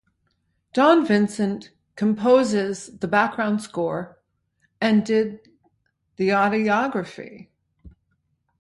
Dawn Vincent composes the background score and did the audiography.